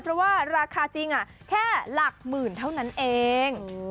เพราะว่าราคาจริงแค่หลักหมื่นเท่านั้นเอง